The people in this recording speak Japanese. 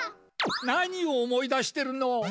何を思い出してるの！